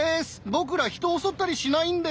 ぼくら人を襲ったりしないんで。